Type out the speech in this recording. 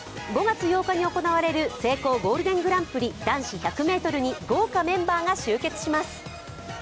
５月８日に行われるセイコーゴールデングランプリ、男子１００ｍに豪華メンバーが集結します。